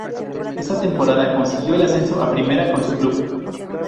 Esa temporada consiguió el ascenso a Primera con su club.